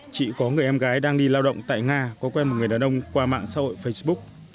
chị có người em gái đang đi lao động tại nga có quen một người đàn ông qua mạng xã hội facebook